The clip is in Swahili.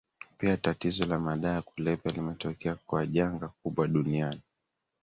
piaTatizo la madawa ya kulevya limetokea kuwa janga kubwa duniani